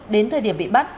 đến thời điểm bị bắt